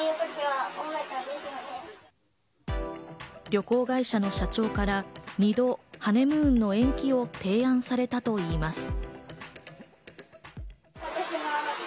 旅行会社の社長から２度ハネムーンの延期を提案されたといいます。